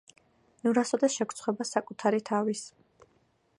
"ნურასოდეს შეგრცხვება საკუთარი თავის"